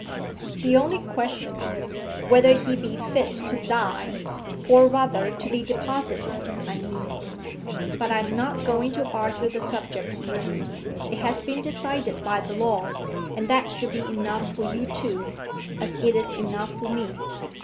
"The only question is, whether he be fit to die, or rather to be deposited, I mean. But I'm not going to argue the subject here. It has been decided by the law; and that should be enough for you two, as it is enough for me.